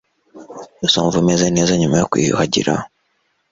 Uzumva umeze neza nyuma yo kwiyuhagira.